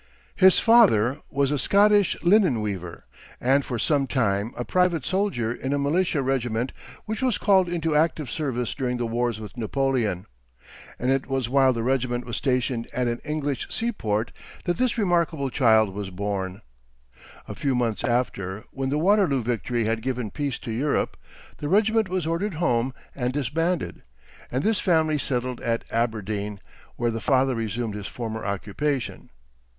His father was a Scottish linen weaver, and for some time a private soldier in a militia regiment which was called into active service during the wars with Napoleon; and it was while the regiment was stationed at an English sea port that this remarkable child was born. A few months after, when the Waterloo victory had given peace to Europe, the regiment was ordered home and disbanded, and this family settled at Aberdeen, where the father resumed his former occupation.